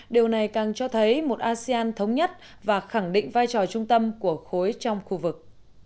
điều này càng cho thấy một asean thống nhất và khẳng định vai trò trung tâm của khối trong khu vực